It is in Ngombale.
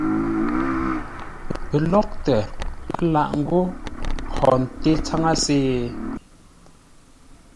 Pəlóghʼtə lâʼ ńgó hó ńté tsáŋə́se?